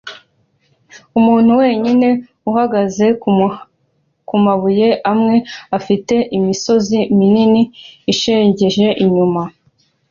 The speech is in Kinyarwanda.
umuntu wenyine uhagaze kumabuye amwe afite imisozi minini ya shelegi inyuma